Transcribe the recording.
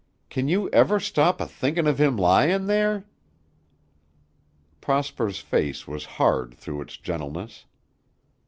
Can you ever stop a thinkin' of him lyin' there?" Prosper's face was hard through its gentleness.